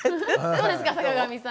どうですか坂上さん